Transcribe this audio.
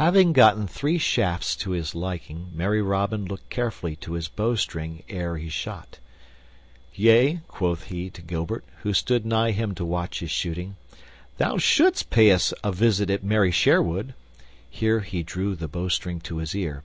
Having gotten three shafts to his liking, merry Robin looked carefully to his bowstring ere he shot. "Yea," quoth he to Gilbert, who stood nigh him to watch his shooting, "thou shouldst pay us a visit at merry Sherwood." Here he drew the bowstring to his ear.